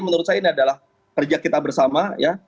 menurut saya ini adalah kerja kita bersama ya